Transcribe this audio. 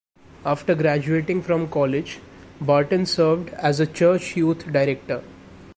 After graduating from college, Barton served as a church youth director.